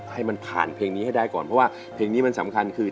ให้มันผ่านเพลงนี้ให้ได้ก่อนเพราะว่าเพลงนี้มันสำคัญคือ